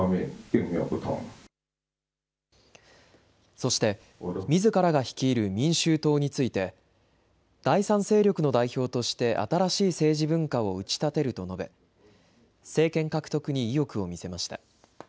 そしてみずからが率いる民衆党について第３勢力の代表として新しい政治文化を打ち立てると述べ政権獲得に意欲を見せました。